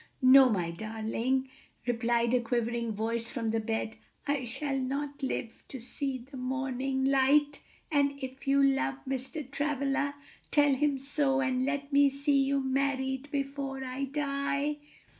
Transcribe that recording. "No, my darling!" replied a quivering voice from the bed, "I shall not live to see the morning light, and if you love Mr. Travilla tell him so and let me see you married before I die."